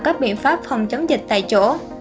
các biện pháp phòng chống dịch tại chỗ